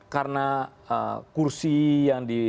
karena kursi yang